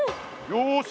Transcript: よし！